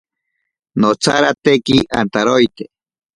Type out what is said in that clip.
Notsarateki antaroite.